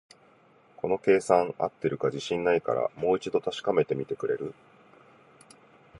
この計算、合ってるか自信ないから、もう一度確かめてみてくれる？